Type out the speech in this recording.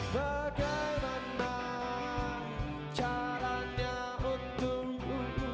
bagaimana caranya untuk